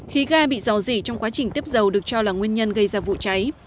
khí ga bị dò dỉ trong quá trình tiếp dầu được cho là nguyên nhân gây ra vụ cháy